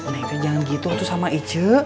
neng itu jangan gitu tuh sama icuk